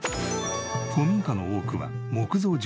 古民家の多くは木造住宅。